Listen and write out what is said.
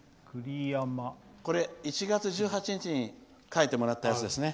これ、１月１８日に書いてもらったやつですね。